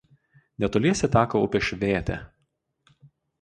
Netoliese teka upė Švėtė.